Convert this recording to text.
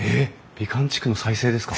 美観地区の再生ですか？